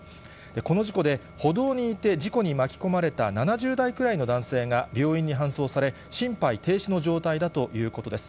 この事故で、歩道にいて事故に巻き込まれた７０代くらいの男性が病院に搬送され、心肺停止の状態だということです。